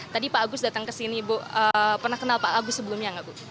tadi pak agus datang ke sini bu pernah kenal pak agus sebelumnya nggak bu